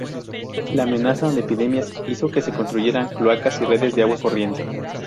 La amenaza de epidemias hizo que se construyeran cloacas y redes de agua corriente.